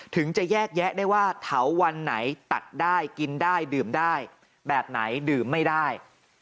ถึงจะแยกแยะได้ว่าเถาวันไหนตัดได้กินได้ดื่มได้แบบไหนดื่มไม่ได้